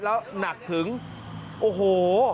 แล้วหนักถึงโอ้โห